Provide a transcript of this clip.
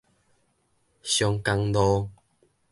松江路